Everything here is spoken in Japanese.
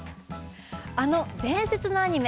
あの伝説のアニメ